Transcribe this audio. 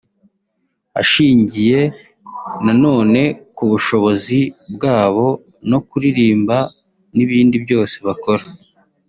Ashingiye na none kubushobozi bwabo mu kuririmba n’ibindi byose bakora